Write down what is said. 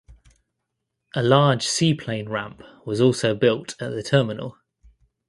A large seaplane ramp was also built at the Terminal.